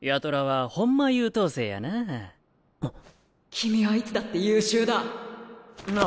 君はいつだって優秀だなあ